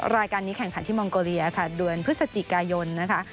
รายการนี้แข่งขันที่มองโกเลียค่ะเดือนพฤศจิกายนนะคะ